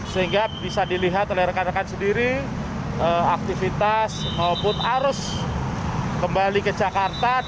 sehingga bisa dilihat oleh rekan rekan sendiri aktivitas maupun arus kembali ke jakarta